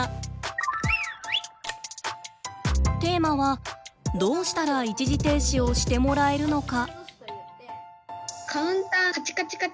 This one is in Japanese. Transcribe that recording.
テーマはどうしたら一時停止をしてもらえるのか。